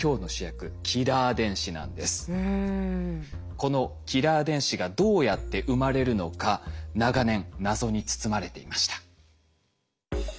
このキラー電子がどうやって生まれるのか長年謎に包まれていました。